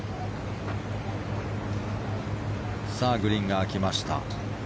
グリーンが空きました。